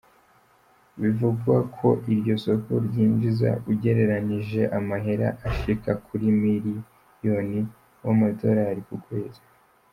Bivugwa ko iryo soko ryinjiza, ugereranije, amahera ashika ku muriyoni w'amadolari ku kwezi.